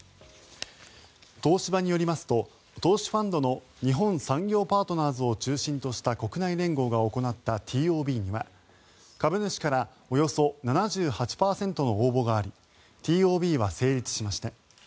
東芝によりますと投資ファンドの日本産業パートナーズを中心とした国内連合が行ったＴＯＢには株主からおよそ７８％の応募がありＴＯＢは成立しました。